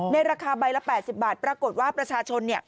ราคาใบละ๘๐บาทปรากฏว่าประชาชน